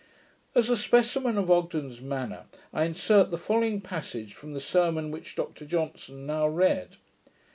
As a specimen of Ogden's manner, I insert the following passage from the sermon which Dr Johnson now read.